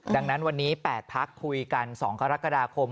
ดังนั้นวันนี้๘พักคุยกัน๒กรกฎาคม